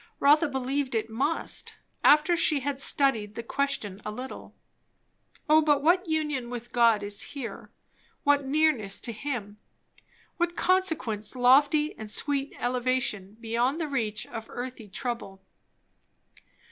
Rotha believed it must, after she had studied the question a little. O but what union with God is here; what nearness to him; what consequent lofty and sweet elevation beyond the reach of earthly trouble.